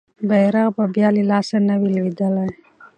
بیرغ به بیا له لاسه نه وي لویدلی.